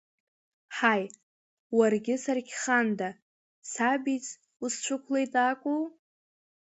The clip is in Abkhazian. Ҳаи, уаргьы-саргьханда, сабиц, усцәықәлеит акәу!